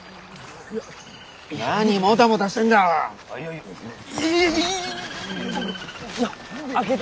何もたもたしてんだよ！え！